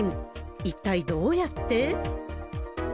一体どうやって？